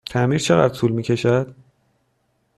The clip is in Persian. تعمیر چقدر طول می کشد؟